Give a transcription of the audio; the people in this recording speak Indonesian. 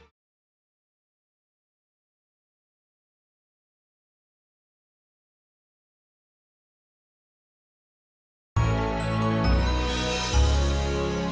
sekarang jangan letak tahu woi oi syuting kekamu